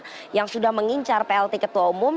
ada beberapa nama yang sudah mengincar plt ketua umum